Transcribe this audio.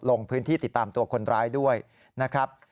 ลงพื้นที่ติดตามตัวคนร้ายด้วยนะครับ